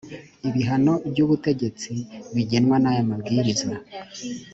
ibihano by’ubutegetsi bigenwa n’aya mabwiriza